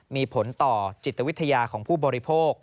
มีผลต่อจิตวิทยาของผู้บริโภค